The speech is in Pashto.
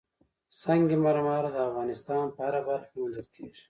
سنگ مرمر د افغانستان په هره برخه کې موندل کېږي.